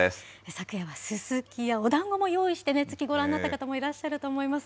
昨夜はススキやおだんごも用意して、月、ご覧になった方もいらっしゃるかと思います。